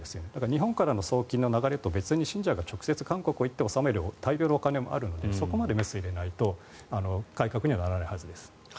日本からの送金の流れと別に信者が直接韓国に行って納める大量のお金もあるのでそこまでメスを入れないと改革にはならないはずです。